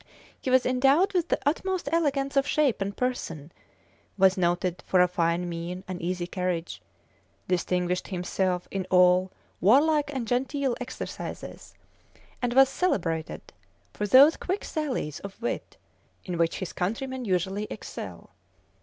He was endowed with the utmost elegance of shape and person, was noted for a fine mien and easy carriage, distinguished himself in all warlike and genteel exercises, and was celebrated for those quick sallies of wit in which his countrymen usually excel.